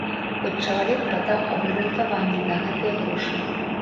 Хоць чалавек падаў абгрунтаванні на гэтыя грошы.